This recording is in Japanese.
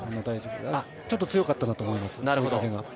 ちょっと強かったかと思います。